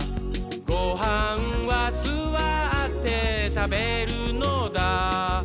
「ごはんはすわってたべるのだ」